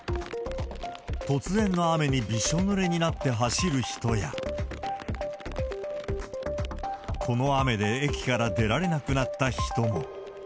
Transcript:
突然の雨に、びしょぬれになって走る人や、この雨で駅から出られなくなった人も。